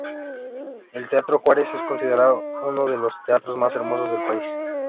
El Teatro Juárez es considerado uno de los teatros más hermosos del país.